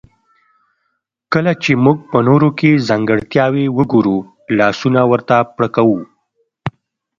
کله چې موږ په نورو کې ځانګړتياوې وګورو لاسونه ورته پړکوو.